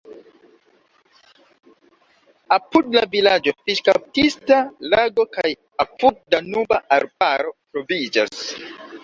Apud la vilaĝo fiŝkaptista lago kaj apud-Danuba arbaro troviĝas.